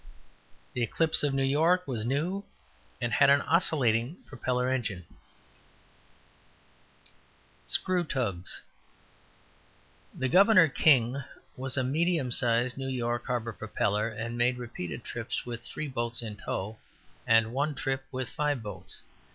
The Eclipse, of New York, was new, and had oscillating propeller engines. SCREW TUGS. The Gov. King was a medium sized New York harbor propeller, and made repeated trips with three boats in tow, and one trip with five boats.